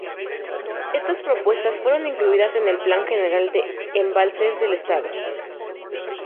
Estas propuestas fueron incluidas en el Plan General de Embalses del Estado.